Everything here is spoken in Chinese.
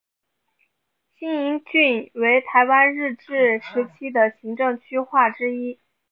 新营郡为台湾日治时期的行政区划之一。